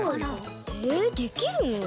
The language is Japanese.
えできるの？